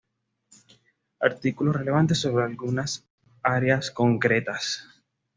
Artículos relevantes sobre algunas áreas concretas.